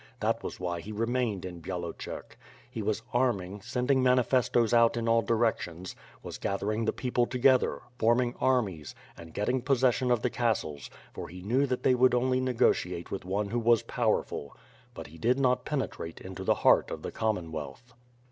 That was why he remained in Byalocerk. He was arming, sending manifestos out in all directions; was gathering the people together; forming armies, and getting possession of the castles, for he knew that they would only negotiate with one who was powerful ; but he did not penetrate into the heart of the Commonwealth.